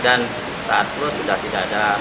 dan saat close sudah tidak ada